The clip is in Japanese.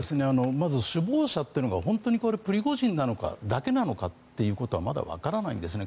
まず首謀者というのが本当にプリゴジンだけなのかはまだわからないんですね。